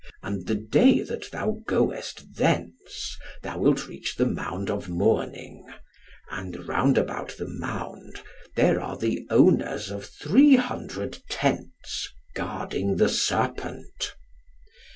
And the day that thou goest thence, thou wilt reach the Mound of Mourning, and round about the mound there are the owners of three hundred tents guarding the serpent."